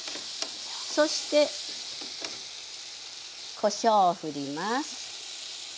そしてこしょうを振ります。